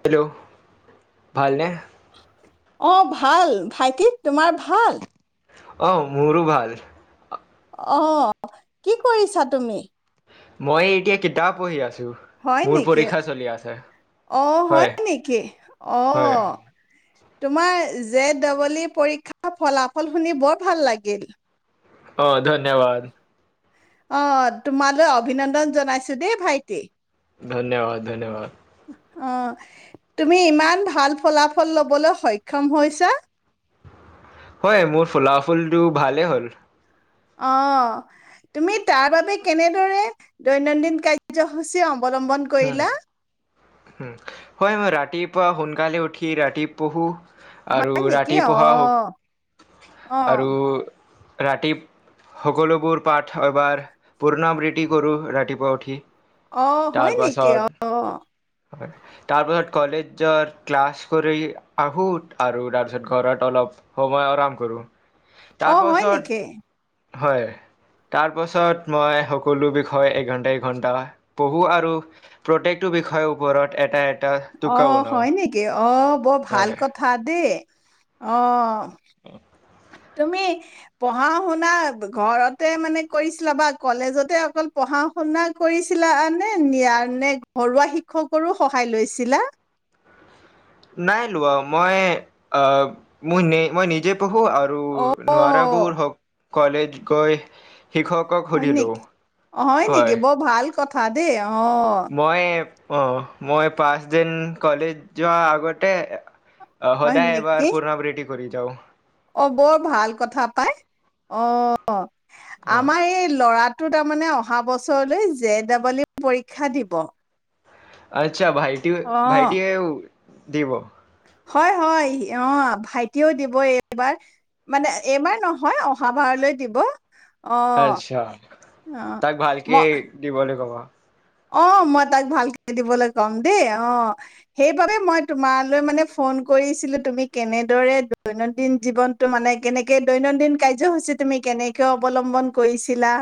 Hello ভাল নে অ', ভাল ভাইটি তোমাৰ ভাল। আহ মোৰো ভাল অ কি কৰিছা তুমি মই এতিয়া কিতাপ পঢ়ি আছো। হয় মোৰ নেকি পৰীক্ষা চলি আছে অ হয় নেকি অ হয় তোমাৰ জে ড'বল ই পৰীক্ষাৰ ফলাফল শুনি বৰ ভাল লাগিল। অ', ধন্ ধন্যবাদ অ তোমালৈ অভিনন্দন জনাইছো দেই ভাইটি ধন্যবাদ, ধন্যবাদ। অ তুমি ইমান ভাল ফলাফল লবলৈ সক্ষম হৈছা হয় মোৰ ফলাফুলটো ভালেই হ'ল অ', তুমি তাৰ বাবে কেনেদৰে দৈনন্দিন কাৰ্যসূচী অ উম হয় মই ৰাতি ৰাতিপুৱা সোনকালে উঠি ৰাতি পঢ়ু আৰু হয় নেকি ৰাতি পো়হা অঁ হওক অঁ আৰু ৰাতি সকলোবোৰ পাঠ এবাৰ পুৰ্ণবৃত্তি কৰোঁ ৰাতিপুৱা উঠি। অ হয় নেকি তাৰপাছত অ তাৰপাছত কলেজ ক্লাছ কৰি আহো আৰু তাৰপিছত ঘৰত অলপ সময় আৰাম কৰোঁ অ', হয় তাৰপাছত নেকি? হয় তাৰপাছত মই সকলো বিষয় এঘন্টা এঘন্টা পঢ়ো আৰু প্ৰত্যেকটো বিষয়ৰ ওপৰত এটা এটা টোকা অ', বনাওঁ। হয় নেকি? অ', বৰ ভাল হয়, কথা দেই। অ'। [inaudible] তুমি পঢ়া শুনা ঘৰতে মানে কৰিছিলা বা কলেজতে অকল পঢ়া শুনা কৰিছিলা নে নে ঘৰুৱা শিক্ষকৰো সহায় লৈছিলা নাই লোৱা মই অ', মোৰ মই নিজে পহো আৰু অ নোৱাৰাবোৰ হওঁক কলেজ গৈ শিক্ষকক হয় সুধি লওঁ। নেকি? অ', হয় নেকি বৰ ভাল কথা। খা দেই। অ মই অহ, মই পাঁচ দিন কলেজ যোৱা আগতে অ হয় সদায় নেকি? এবাৰ পুৰণাবৃতি কৰি যাওঁ। অ, বৰ ভাল কথা পাই অ। অঁ আমাৰ এই ল'ৰা টো তাৰমানে অহা বছৰলৈ জে ডাবল ই পৰীক্ষা দিব। আচ্ছা ভাইটিও অ ভাইটিয়েও দিব হয় হয়, অ ভাইটিও দিব এইবাৰ, মানে এইবাৰ নহয় অহাবাৰলৈ দিব। অ' আচ্ছা, অ' তাক ম ভালকে দিবলে কব। অ', মই তাক ভালকে দিবলৈ কম দেই, অ', সেইবাবে মই তোমালৈ মানে ফোন কৰিছিলো, তুমি কেনেদৰে দৈনন্দিন জীৱনটো মানে কেনেকে দৈনন্দিন কাৰ্যসূচী তুমি কেনেকে অৱলম্বন কৰিছিলা?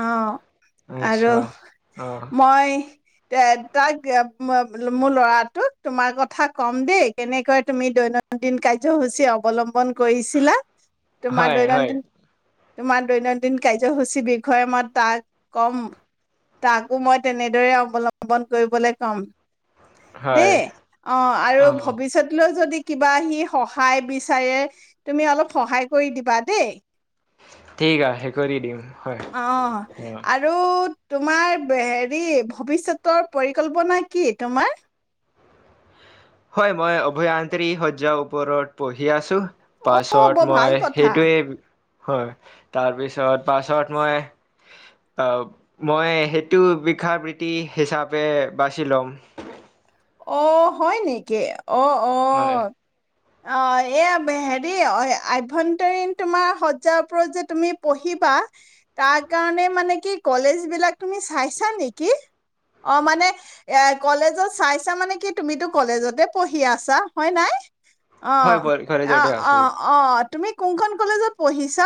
অ'। আৰু আচ্ছা। অঁ মই এ তাক, মোৰ ল'ৰাটোক তোমাৰ কথা কম দেই, কেনেকৈ তুমি দৈনন্দিন কাৰ্যসূচী অৱলম্বন কৈছিলা তোমাৰ হয় হয় দৈনন্দিন তোমাৰ দৈনন্দিন কাৰ্যসূচী বিষয়ে মই তাক কম। তাকো মই তেনেদৰে অৱলম্বন কৰিবলৈ কম। দেই, হয় অ, আৰু অঁ ভৱিষ্যতলৈ যদি কিবা সি সহায় বিচাৰে, তুমি অলপ সহায় কৰি দিবা দেই। ঠিক আহে অ' আৰু তোমাৰ হেৰি ভৱিষ্যতৰ পৰিকল্পনা কি তোমাৰ? হয়, মই অভয়ান্ত্ৰি সজ্জাৰ ওপৰত পঢ়ি আছো। অ বৰ পাছত ভাল মই কথা সেইটোৱে হয়, তাৰপিছত পাছত মই, আহ মই সেইটো বিষয় বৃত্তি হিচাপে বাচি লম। অ হয় নেকি? অ হয়। অ অ', এয়া হেৰি অ আভ্যন্তৰীণ তোমাৰ শজ্জাৰ ওপৰত যে তুমি পঢ়িবা, তাৰ কাৰণে মানে কি কলেজ বিলাক তুমি চাইছা নেকি? অ, মানে এ কলেজত চাই চা মানে কি তুমিতো কলেজতে পঢ়ি আছা হয় নাই? হয় অ', ব- আ, কলেজতে আছো। অ', অ'। তুমি কোনখন কলেজত পঢ়িছা?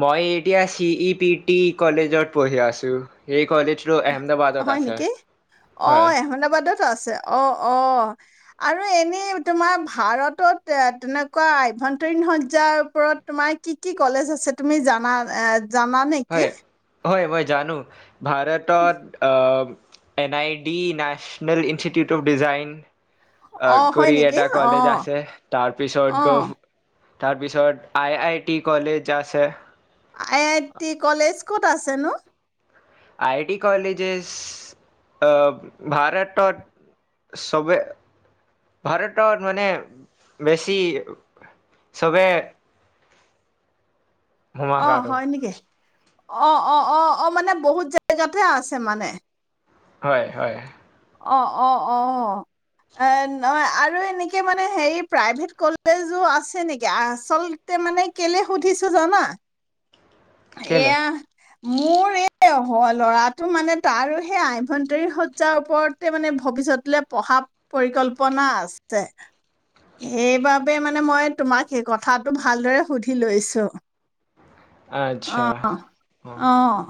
মই এতিয়া চি ই পি টি কলেজত পঢ়ি আছো, এই কলেজটো আহমেদাবাদত হয় আছে। নেকি? হয়, অ', এহমেদাবাদত আছে, অ অ আৰু এনেই তোমাৰ ভাৰতত এ তেনেকুৱা আভ্যন্তৰীণ সজ্জাৰ ওপৰত তোমাৰ কি কি কলেজ আছে, তুমি জানা এ জানা নেকি? হয়, হয়, মই জানো। ভাৰতত অ' N I D national institute of design. অ', অঁ হয় কৰি নেকি এটা কলেজ অঁ আছে। তাৰপিছত গ অঁ তাৰপিছত আই আই টি কলেজ আছে। আই আই টিট কলেজ ক'ত আছেনো? আই ডি কলেজেছ অ', ভাৰতত চবে ভাৰতত মানে বেছি চবে অ, হুমাকাটো হয় নিকিহ? অ', অ', অ', অ', মানে বহুত জেগাতে আছে মানে। হয়, হয়। অ', অ', অ'। এ নয় আৰু এনেকে মানে হেৰি প্ৰাইভেট কলেজো আছে নেকি? আচলতে মানে কেলে সুধিছোঁ জানা? কেলে এয়াহ মোৰ এয় হ, ল'ৰাটো মানে তাৰো সেই আভ্যন্তৰীণ সজ্জাৰ ওপৰতে মানে ভৱিষ্যতলৈ পঢ়া পৰিকল্পনা আছে। সেইবাবে মানে মই তোমাক সেইকথাটো ভালদৰে সুধি লৈছো। আচ্ছা অ', অ'।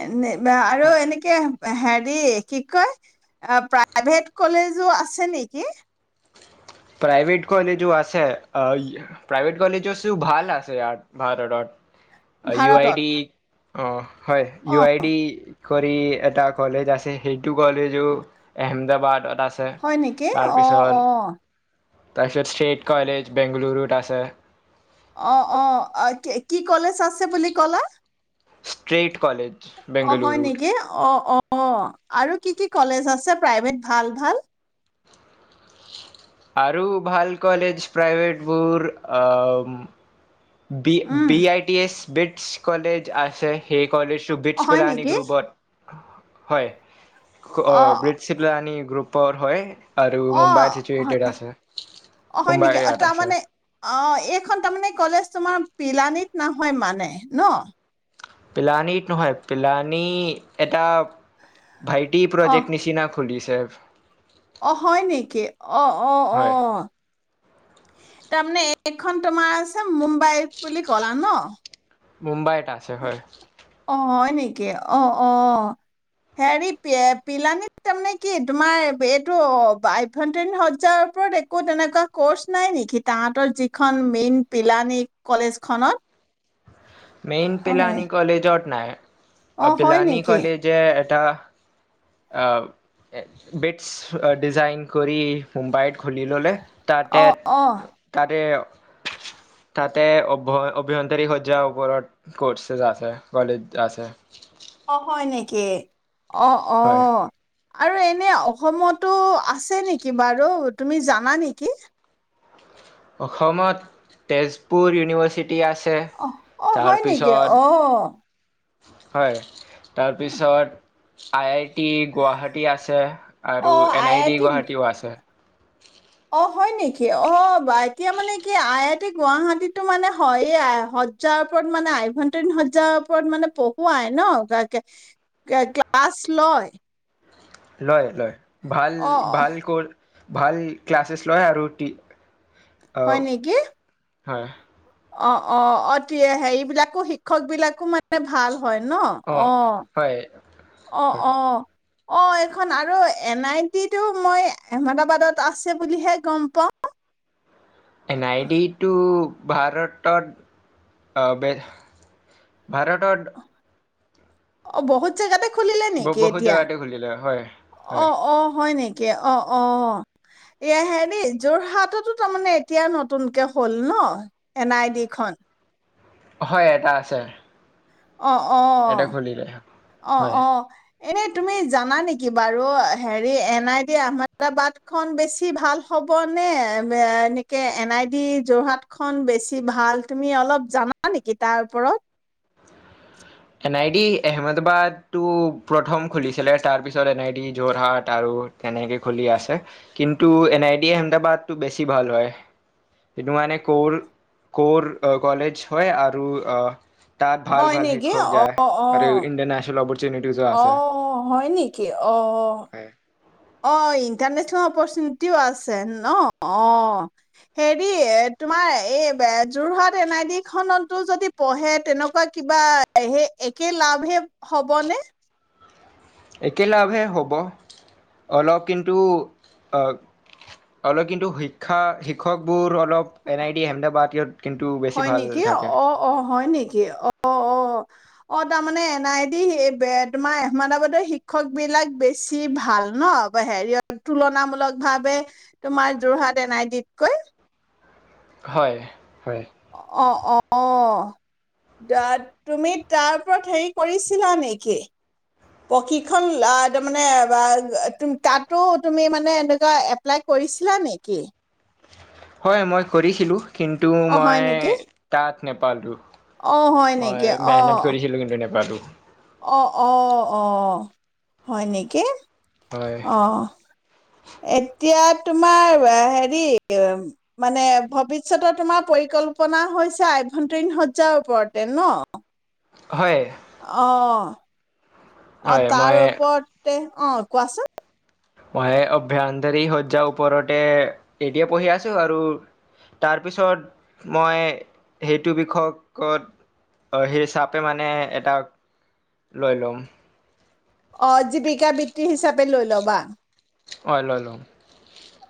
এনেপ বা আৰু এনেকে হেৰি, কি কয়, প্ৰাইভেট কলেজো আছে নেকি? প্ৰাইভেট কলেজো আছে। এ প্ৰাইভেট কলেজেছো ভাল আছে য়াত। ভাৰতত। ইউ আই ভাৰতত? ডি। অহ। হয়,, ইউ অ', আই ডি কৰি এটা কলেজ আছে সেইটো কলেজো এহমদাবাদ এটা হয় নেকি? অ', অ'। তাইপিছত চেইত কলেজ বেংগলৰোত আছে। অ', অ', অকেক কি কলেছ আছে বুলি কলা? ষ্ট্ৰেইট। অ', হয় নিকি অ', অ'। অ', আৰু কি কি কলেজ আছে প্ৰাইভেট ভাল-ভাল? আৰু ভাল কলেজ প্ৰাইভেটবোৰ um B um, B I T S. BITS college আছে। স কলেজ শুবিটছ অ', হয় প্লাানিক গ নেকি? ৰৰুবট। হয়। অ', ব্ৰিটচ গ্ৰুপ। পৰ হয়। আৰু মুম্বাইত অ', চিটুৱেটেড হয়, আছে অ' হয় মুম্বাই নেকি? অ' ইয়াত আছে তাৰমানে, অ' এইখন তাৰমানে কলেজ। তোমাৰ পিলানীত নহয় মানে, ন? পিলানীত নহয়, পিলানী এটা। ভাইটি অ', প্ৰজেক্ট নিচিনা খুলিছ। ছেভ। অ', হয় নেকি? অ', অ', হয় অ'। তাৰমানে এ এইখন তোমাৰ আছে মুম্বাইত বুলি কলা ন? মুম্বাইত আছে হয়। অ', হয় নেকি? অ', অ', হেৰি, পিয়ে পিলানী তাৰমানে কি তোমাৰ এইটো অ' আভ্যন্তৰীণ সজ্জাৰ ওপৰত একো তেনেকুৱা কৰ্চ নাই নেকি, তাহাঁতৰ যিখন মেইন পিলানী কলেজখনত? মেইন হয়। পিলানী কলেজত। নাই। অ' হয় অপিলানী নেকি? কলেজত। এটা বেটছ ডিজাইন কৰি মুম্বাইত খুলি ল'লে? অ' তাতেত অ'। তাতে তাতে অভ অভয়ন্তৰী সজাৰ। ওপৰত ক'ৰ্ছ এজা আছে, কলেদ আছে। অ', হয় নেকি? অঁ অ। হয় আৰু এনে অসমতো আছে নেকি বাৰত? তুমি জানা নেকি? অসমত, তেজপুৰ ইউনিভাৰ্চিত আহ অ হয় নেকি ও। হয়। তাৰপিছত আই আইত। টি গুৱাহাটী আছে আৰু এন আই দি গুৱাহাটীও আছে। [inaudible] অ', হয় নেকি? অব। [unintelligible] এতিয়া মানে কি আই গুৱাহাটীতটো মানে হয় আৰু সজ্জাৰ ওপৰত মানে আভয়ন্তৰীণ সজ্জাৰ ওপৰত মানে পঢ়ুৱাই ন ক্লাছ লয় লয় লয় ভাল অ ভাল কৰ ভাল ক্লাছেছ লয় আৰু টি হয় আহ, নেকি হয় অ অ অতি হেৰিবলাকো শিক্ষক বিলাকো মানে ভাল হয় ন অ হয় অ হয় অ অ এইখন আৰু এন আই টিটো মই আহমেদাবাদত আছে বুলিহে গম পাওঁ এন আই ডি টো ভাৰতত ভাৰতত অ বহুত জেগাতে খুলিলে বু নেকি বহুত এতিয়া জগাতে খুুলিলে হয় হয় কে অ অ এ হেৰি যোৰহাটতো তাৰমানে এতিয়া নতুনকে হ'ল ন এন আই ডি খন হয় এটা আছে অ অ এটা খুলিলে অ হয় অ এনে তুমি জানা নেকি বাৰু হেৰি এন আই ডি আহমেদাবাদখন বেছি ভাল হ'ব নে এনেকে এন আই ডি যোৰহাটখন বেছি ভাল তুমি অলপ জানা নেকি তাৰ ওপৰত এন আই ডি আহমেদাবাদটো প্ৰথম খুলিছিলে তাৰপিছত এন আই ডি যোৰহাট আৰু তেনেকে খুলি আছে কিন্তু এন আই ডি আহমেদাবাদটো বেছি ভাল হয় সেইটো মানে কৰ কৰ কলেজ হয় আৰু আহ তাত ভাল হয় ভাল সেই নেকি যায় আৰু ইণ্ডিয়ান নেশনেল লব আহ হয় নেকি অ হয় অ ইণ্টাৰনেচনেল অপৰচুটিও আছে ন অ হেৰি তোমাৰ এন আই ডিক খনতো য পঢ়ে তেনেকুৱা কিবা একে লাভে হ'বনে এক লাভহে হ'ব অলপ কিন্তু অলপ কিন্তু শিক্ষা শিক্ষকবোৰ অলপ এন আই ডি আহেমদাবাদ ইত কিন্তু বেছি হয় ভাল নেকি থাকে অ অ হয় নেকি অ অ অ তাৰমানে এন আই ডি তোমাৰ আহমেদাবাদৰ শিক্ষক বিলাক বেছি ভাল ন হেৰি তুলনামূলক ভাৱে তোমাৰ যোৰহাট এন আই ডিতকৈ হয় হয় অ অ তুমি তাৰ ওপৰত হেৰি কৰিছিলা নেকি প্ৰশিক্ষণ তাৰমানে তাতো তুমি মানে এনেকুৱা এপ্লাই কৰিছিলা নেকি? হয় মই কৰিছিলোঁ কিন্তু অ হয় মই নেকি? তাত নেপালো অ হয় মই নেকি? অ মেহনত কৰিছিলো কিন্তু নেপালো অ অ অ হয় নেকি হয়। অ এতিয়া তোমাৰ হেৰি মানে ভৱিষ্যতৰ তোমাৰ পৰিকল্পনা হৈছে আভ্যন্তৰীণ শজ্জাৰ ওপৰতে ন হয় আহ অ হয় মই তাৰ ওপৰত অ কোৱাচোন মই অভ্যন্তৰী শজ্জাৰ ওপৰতে এদিয়ে পঢ়ি আছোঁ আৰু তাৰপিছত মই সেইটো বিষয়কত সেই হিচাপে মানে এটা লৈ ল'ম অ জীৱিকা বৃত্তি হিচাপে লৈ ল'বা অ ল ল'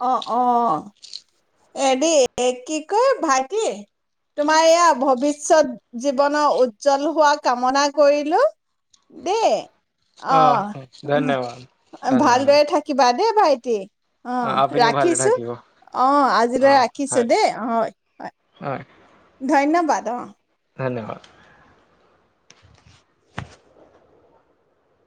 অহ অ। এ দ কি কয় ভাইটি তোমাৰ ইয়া ভৱিষ্যত জীৱনৰ উজ্জ্বল হোৱা কামনা কৰিলো দেই। অ ধন্যবাদ ভালদৰে থাকিবা দেই ভাইটি অ আপুনিও ভালে ৰাখিছো থাকিব অ আজিলৈ অ', ৰাখিছো হয় দেই হয় হয় ধন্যবাদ অ ধন্যবাদ